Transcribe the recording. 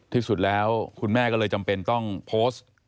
ที่สุดแล้วคุณแม่ก็เลยจำเป็นต้องโพสต์